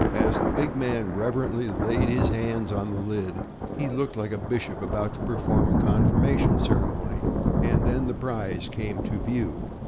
As the big man reverently laid his hands on the lid, he looked like a bishop about to perform a confirmation ceremony. And then the prize came to view.